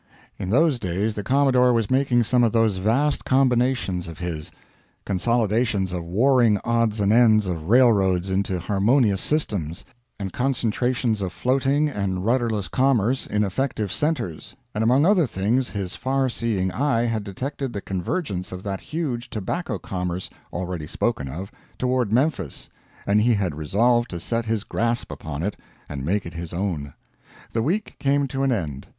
In those days the Commodore was making some of those vast combinations of his consolidations of warring odds and ends of railroads into harmonious systems, and concentrations of floating and rudderless commerce in effective centers and among other things his farseeing eye had detected the convergence of that huge tobacco commerce, already spoken of, toward Memphis, and he had resolved to set his grasp upon it and make it his own. The week came to an end.